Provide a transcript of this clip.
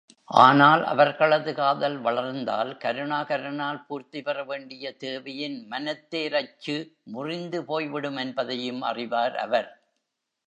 ஆனால் அவர்களது காதல் வளர்ந்தால், கருணாகரனால் பூர்த்திபெறவேண்டிய தேவியின் மனத்தேர் அச்சுமுறிந்து போய்விடுமென்பதையும் அறிவார் அவர்.